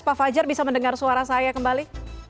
pak fajar bisa mendengar suara saya kembali